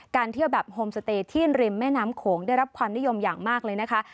เที่ยวแบบโฮมสเตย์ที่ริมแม่น้ำโขงได้รับความนิยมอย่างมากเลยนะคะ